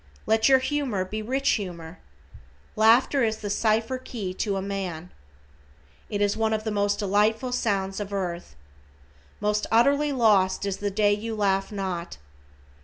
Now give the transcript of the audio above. Let your humor be rich humor. Laughter is the cipher key to a man. It is one of the most delightful sounds of earth. Most utterly lost is the day you laugh not.